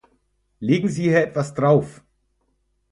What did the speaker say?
Legen Sie hier etwas drauf!